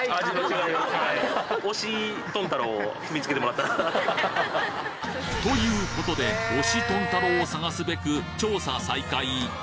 えっということで推し豚太郎を探すべく調査再開！